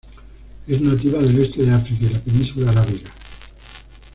Es nativa del este de África y la península arábiga.